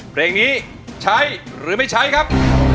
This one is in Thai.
เพลงนี้ใช้หรือไม่ใช้ครับ